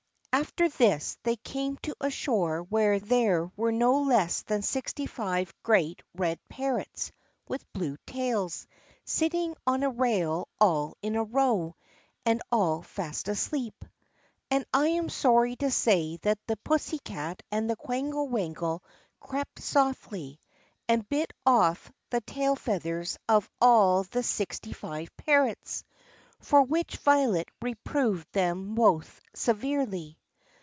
After this they came to a shore where there were no less than sixty five great red parrots with blue tails, sitting on a rail all of a row, and all fast asleep. And I am sorry to say that the pussy cat and the quangle wangle crept softly, and bit off the tail feathers of all the sixty five parrots, for which Violet reproved them both severely.